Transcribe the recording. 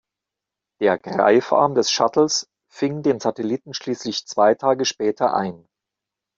Der Greifarm des Shuttles fing den Satelliten schließlich zwei Tage später ein.